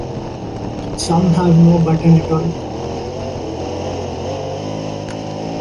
Some have no button at all.